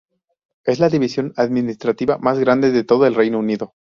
Es la división administrativa más grande de todo el Reino Unido.